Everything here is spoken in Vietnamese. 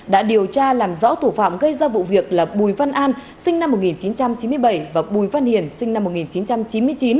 đã điều tra làm rõ thủ phạm gây ra vụ việc là bùi văn an sinh năm một nghìn chín trăm chín mươi bảy và bùi văn hiền sinh năm một nghìn chín trăm chín mươi chín